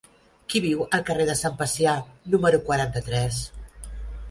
Qui viu al carrer de Sant Pacià número quaranta-tres?